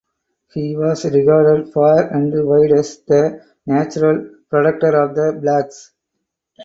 He was regarded far and wide as the natural protector of the blacks.